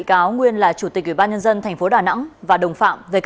cảm ơn các bạn đã theo dõi